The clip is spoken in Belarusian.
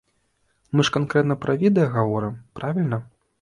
Мы ж канкрэтна пра відэа гаворым, правільна?